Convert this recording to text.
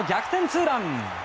ツーラン。